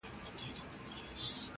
په سبب د لېونتوب دي پوه سوم یاره-